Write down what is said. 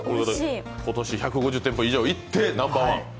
今年１５０店以上行ってナンバーワン。